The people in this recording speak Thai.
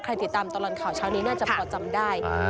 ใครติดตามตารางข่าวช้าวนี้น่าจะปกจำได้